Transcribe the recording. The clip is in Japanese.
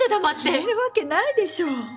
言えるわけないでしょ。